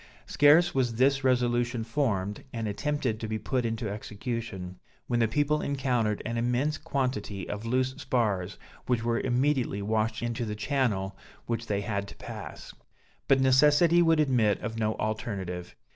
Scarce was this resolution formed, and attempted to be put into execution, when the people encountered an immense quantity of loose spars, which were immediately washed into the channel which they had to pass; but necessity would admit of no alternative.